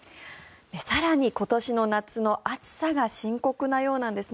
更に今年の夏の暑さが深刻なようなんです。